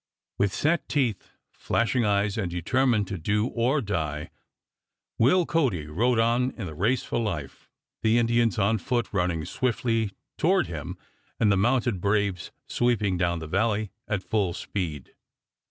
With set teeth, flashing eyes, and determined to do or die, Will Cody rode on in the race for life, the Indians on foot running swiftly toward him and the mounted braves sweeping down the valley at full speed.